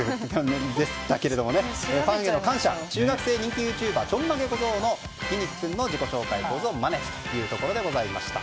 でしたけれどもファンへの感謝中学生ユーチューバー「ちょんまげ小僧」のひき肉君の自己紹介をまねてということでした。